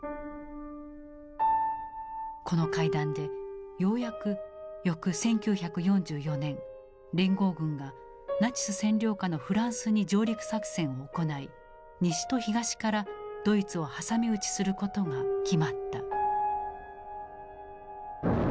この会談でようやく翌１９４４年連合軍がナチス占領下のフランスに上陸作戦を行い西と東からドイツを挟み撃ちすることが決まった。